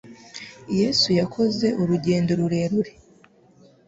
Yesu yakoze urugendo rurerure